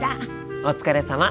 お疲れさま。